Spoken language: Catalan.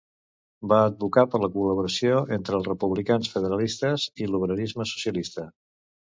Va advocar per la col·laboració entre els republicans federalistes i l'obrerisme socialista.